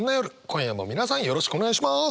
今夜も皆さんよろしくお願いします。